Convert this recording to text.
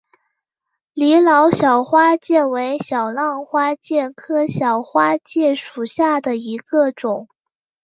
李老小花介为小浪花介科小花介属下的一个种。